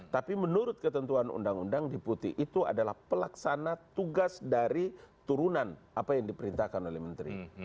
tapi menurut ketentuan undang undang deputi itu adalah pelaksana tugas dari turunan apa yang diperintahkan oleh menteri